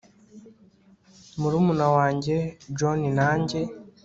Murumuna wanjye John na njye